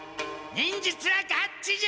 忍術はガッツじゃ！